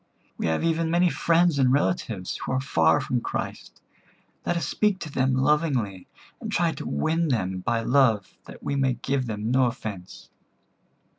We have even many friends and relatives who are far from Christ. Let us speak to them lovingly, and try to win them by love that we may give them no offence."